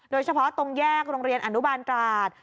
โดยเฉพาะตรงแยกโรงเรียนอนุบาลตราด